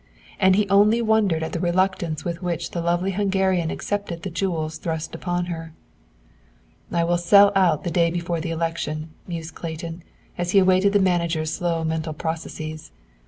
And he only wondered at the reluctance with which the lovely Hungarian accepted the jewels thrust upon her. "I will sell out the day before the election," mused Clayton, as he awaited the manager's slow mental processes.